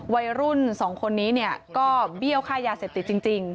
วัยรุ่นสองคนนี้เนี่ยก็เบี้ยวค่ายาเสพติดจริง